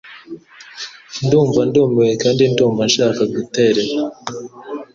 Ndumva ndumiwe kandi numva nshaka guterera.